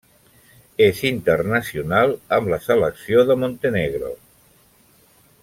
És internacional amb la Selecció de Montenegro.